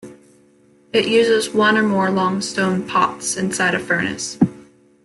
It uses one or more long stone "pots" inside a furnace.